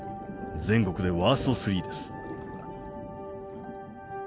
全国でワースト３です。